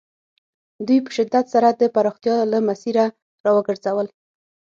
دوی په شدت سره د پراختیا له مسیره را وګرځول.